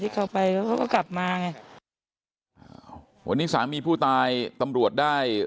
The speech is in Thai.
ที่เขาไปเข้าก็กลับมาแล้ววันนี้สามีผู้ตายตำรวจได้